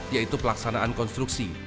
yaitu pelaksanaan konstruksi